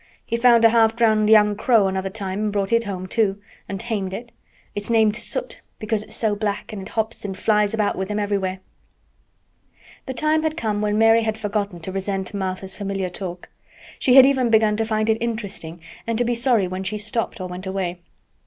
He found a half drowned young crow another time an' he brought it home, too, an' tamed it. It's named Soot because it's so black, an' it hops an' flies about with him everywhere." The time had come when Mary had forgotten to resent Martha's familiar talk. She had even begun to find it interesting and to be sorry when she stopped or went away.